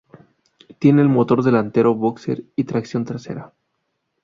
Tiene motor delantero boxer y tracción trasera.